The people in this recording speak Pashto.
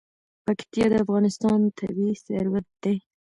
پکتیا د افغانستان طبعي ثروت دی.